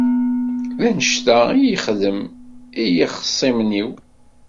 D annect-a i yexdem i yixṣimen-iw.